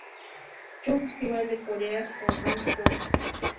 Seoul Festival de Corea con "Rainbow drops".